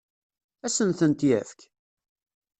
Ad asen-tent-yefk?